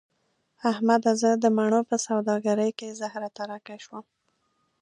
احمده! زه د مڼو په سوداګرۍ کې زهره ترکی شوم.